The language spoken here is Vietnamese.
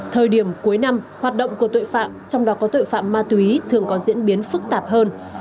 thời điểm cuối năm hoạt động của tội phạm trong đó có tội phạm ma túy thường có diễn biến phức tạp hơn